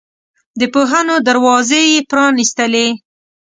د پوهنو دروازې یې پرانستلې.